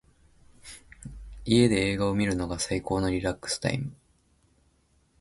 家で映画を観るのが最高のリラックスタイム。